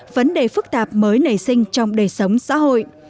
vấn đề phức tạp mới nảy sinh trong đời sống xã hội